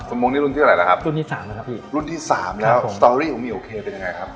โมงนี้รุ่นที่อะไรล่ะครับรุ่นที่สามแล้วครับพี่รุ่นที่สามแล้วสตอรี่ของเหี่ยวเคเป็นยังไงครับ